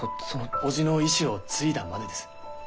伯父の意志を継いだまでです。